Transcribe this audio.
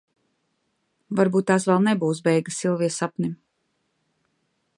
Varbūt tās vēl nebūs beigas Silvijas sapnim?